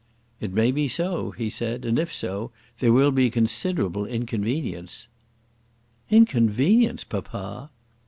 "It may be so," he said, "and if so, there will be considerable inconvenience." "Inconvenience, papa!"